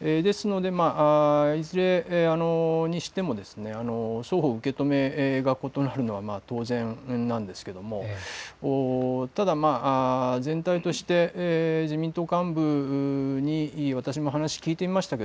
ですのでいずれにしても双方の受け止めが異なるのは当然なんですがただ全体として自民党幹部に私も話を聞いてみましたが